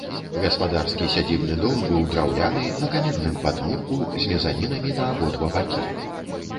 Гаспадарскі сядзібны дом быў драўляны, на каменным падмурку, з мезанінамі на абодва бакі.